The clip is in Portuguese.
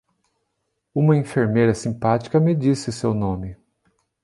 Uma enfermeira simpática me disse seu nome.